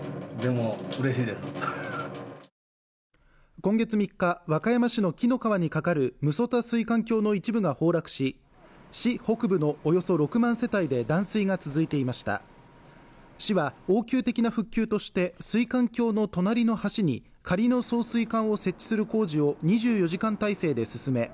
今月３日和歌山市の紀の川に架かる六十谷水管橋の一部が崩落し市北部のおよそ６万世帯で断水が続いていました市は応急的な復旧として水管橋の隣の橋に仮の送水管を設置する工事を２４時間態勢で進め